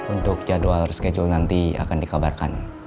untuk jadwal reschedule nanti akan dikabarkan